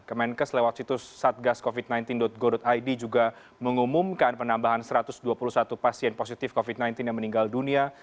kemenkes lewat situs satgascovid sembilan belas go id juga mengumumkan penambahan satu ratus dua puluh satu pasien positif covid sembilan belas yang meninggal dunia